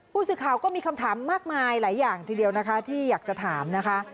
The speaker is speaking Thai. ผู้สื่อข่าวก็มีคำถามมากมายหลายอย่างทีเดียวนะคะที่อยากจะถามนะคะ